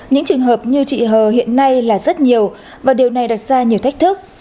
những trường hợp như chị hờ hiện nay là rất nhiều và điều này đặt ra nhiều thách thức